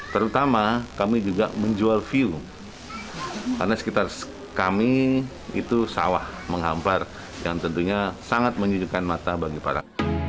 terutama kami juga menjual view karena sekitar kami itu sawah menghampar yang tentunya sangat menyejukkan mata bagi para